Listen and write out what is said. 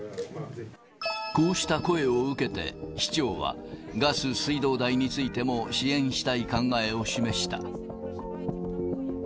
こうした声を受けて、市長はガス・水道代についても支援したい考えを示した。